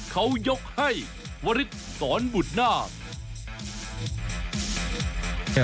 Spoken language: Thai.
เขายกให้วริสสอนบุตรนาค